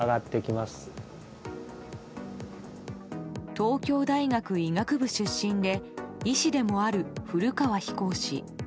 東京大学医学部出身で医師でもある古川飛行士。